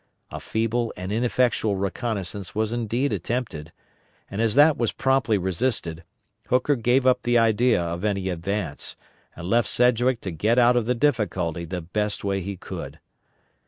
A feeble and ineffectual reconnoissance was indeed attempted, and as that was promptly resisted, Hooker gave up the idea of any advance, and left Sedgwick to get out of the difficulty the best way he could.